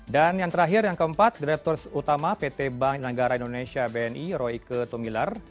dan yang terakhir yang keempat direktur utama pt bank negara indonesia bni royke tomilar